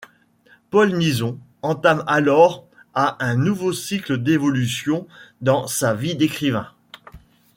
Paul Nizon entame alors à un nouveau cycle d’évolutions dans sa vie d’écrivain.